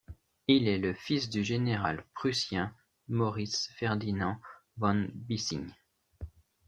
Il est le fils du général prussien Moritz Ferdinand von Bissing.